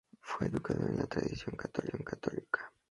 Fue educado en la tradición católica.